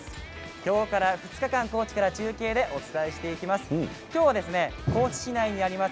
今日から２日間、高知から中継でお伝えしていきます。